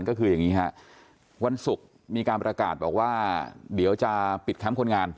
ก็คืออย่างนี้ฮะวันศุกร์มีการประกาศบอกว่าเดี๋ยวจะปิดแคมป์คนงาน